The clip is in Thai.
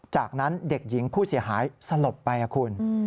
จากนั้นเด็กหญิงผู้เสียหายสลบไปคุณ